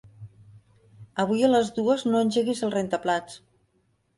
Avui a les dues no engeguis el rentaplats.